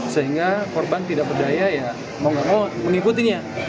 sehingga korban tidak berdaya ya mau nggak mau mengikutinya